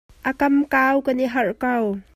A kam kau kan i harh ko.